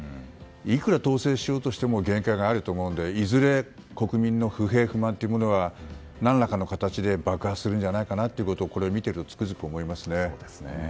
いくら統制しようとしても限界があると思うのでいずれ国民の不平不満は何らかの形で爆発するんじゃないかなとこれを見てるとつくづく思います。